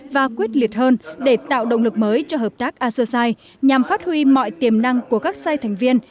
và quyết liệt hơn để tạo động lực mới cho hợp tác associati nhằm phát huy mọi tiềm năng của các sai thành viên